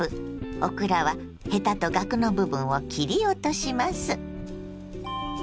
オクラはヘタとがくの部分を切り落とします。